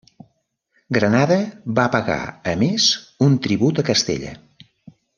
Granada va pagar a més un tribut a Castella.